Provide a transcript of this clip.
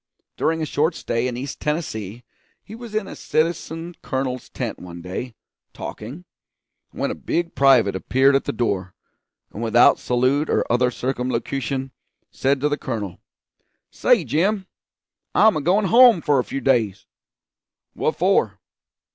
During a short stay in East Tennessee he was in a citizen colonel's tent one day, talking, when a big private appeared at the door, and without salute or other circumlocution said to the colonel: 'Say, Jim, I'm a goin' home for a few days.' 'What for?'